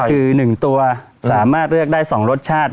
ก็คือหนึ่งตัวสามารถเลือกได้สองรสชาติ